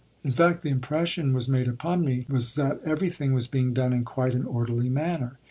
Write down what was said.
In fact, the impression made upon me was that everything was being done in quite an orderly manner.